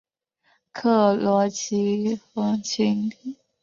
克罗齐和秦梯利曾在之前反对实证主义的哲学论辩上多有合作。